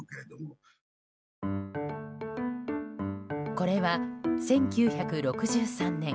これは１９６３年